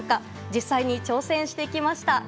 実際に挑戦してきました。